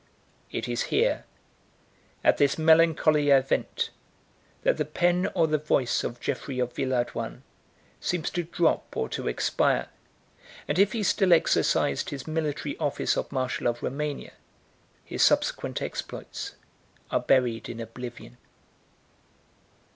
It is here, at this melancholy event, that the pen or the voice of Jeffrey of Villehardouin seems to drop or to expire; 31 and if he still exercised his military office of marshal of Romania, his subsequent exploits are buried in oblivion.